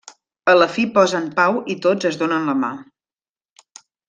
A la fi posen pau i tots es donen la mà.